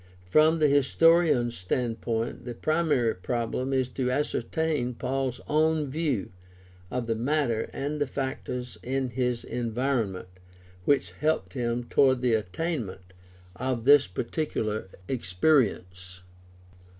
From the historian's standpoint the primary problem is to ascertain Paul's own view of the matter and the factors in his environment which helped him toward the attainment of this particular experience.